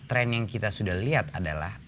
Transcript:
tren yang kita sudah lihat adalah